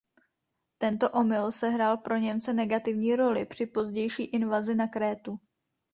Tento omyl sehrál pro Němce negativní roli při pozdější invazi na Krétu.